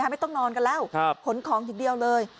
ไม่ต้องนอนกันแล้วขนของทีเดียวเลย